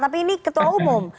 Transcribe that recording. tapi ini ketua umum